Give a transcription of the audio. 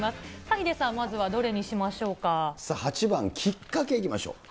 ヒデさん、まずは、どれにし８番、きっかけいきましょう。